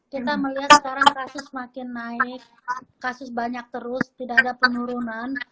kita melihat sekarang kasus makin naik kasus banyak terus tidak ada penurunan